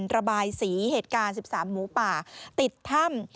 ระบายสีเหตุการณ์๑๓หมูป่าติดถ้ำ